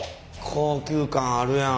高級感あるやん。